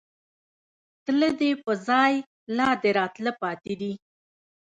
تله دې په ځائے، لا دې راتله پاتې دي